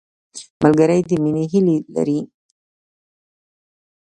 ملګری د مینې هیلې لري